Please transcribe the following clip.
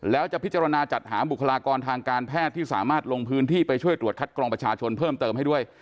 แล้วจะพิจารณาจัดหาบุคลากรทางการแพทย์ที่สามารถลงพื้นที่ไปช่วยตรวจคัดกรองประชาชนเพิ่มเติมให้ด้วย